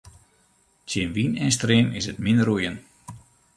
Tsjin wyn en stream is 't min roeien.